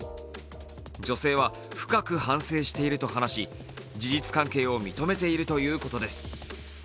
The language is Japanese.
女性は、深く反省していると話し事実関係を認めているということです。